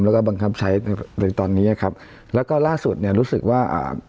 แล้วก็บังคับใช้ตอนนี้ครับแล้วก็ล่าสุดรู้สึกว่า